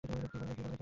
জি, বড় ভাই?